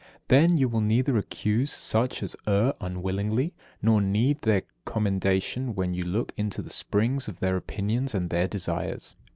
Then you will neither accuse such as err unwillingly, nor need their commendation when you look into the springs of their opinions and their desires.